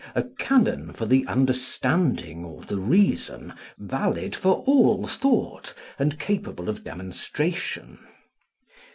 a canon for the understanding or the reason, valid for all thought, and capable of demonstration.